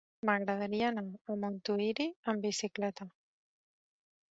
M'agradaria anar a Montuïri amb bicicleta.